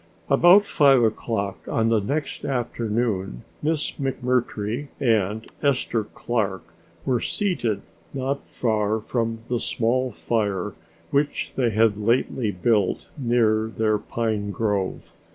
About five o'clock on the next afternoon Miss McMurtry and Esther Clark were seated not far from a small fire which they had lately built near their pine grove.